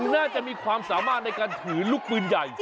น่าจะมีความสามารถในการถือลูกปืนใหญ่